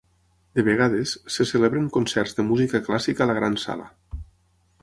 De vegades, se celebren concerts de música clàssica a la Gran Sala.